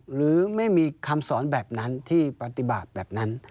หรือไม่มีคำสอนแบบนั้นที่ปฏิบัติแบบนั้น